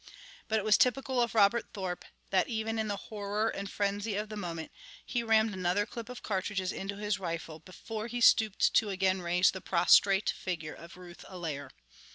But it was typical of Robert Thorpe that even in the horror and frenzy of the moment he rammed another clip of cartridges into his rifle before he stooped to again raise the prostrate figure of Ruth Allaire.